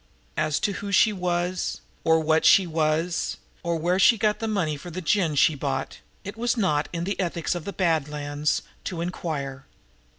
As to who she was, or what she was, or where she got her money for the gin she bought, it was not in the ethics of the Bad Lands to inquire.